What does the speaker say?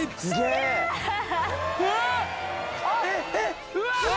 えっ？